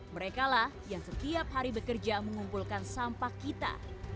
mereka lah yang setiap hari bekerja mengumpulkan sampah kita